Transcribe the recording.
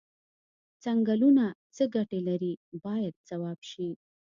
څنګلونه څه ګټې لري باید ځواب شي.